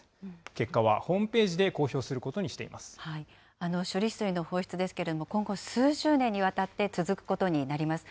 結果はホームページで公表するこ処理水の放出ですけれども、今後、数十年にわたって続くことになります。